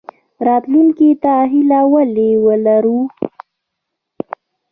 راتلونکي ته هیله ولې ولرو؟